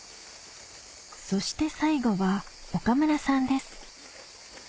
そして最後は岡村さんです